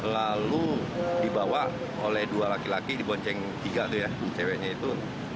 lalu dibawa oleh dua laki laki di bonceng tiga itu ya ceweknya itu